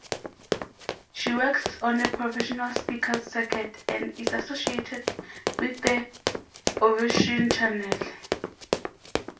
She works on the professional speakers' circuit, and is associated with the Ovation Channel.